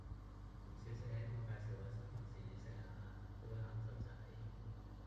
林小姐，我介紹位新同事你識呀，呢位鹹濕仔